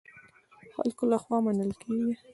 خلکو له خوا منل کېږي.